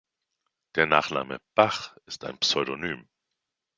Der Nachname „Bach“ ist ein Pseudonym.